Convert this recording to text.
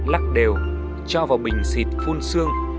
lắc đều cho vào bình xịt phun xương